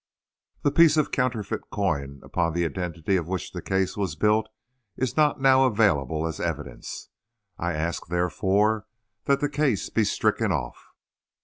The piece of counterfeit coin upon the identity of which the case was built is not now available as evidence. I ask, therefore, that the case be stricken off."